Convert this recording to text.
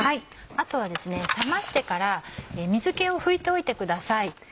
あとは冷ましてから水気を拭いておいてください。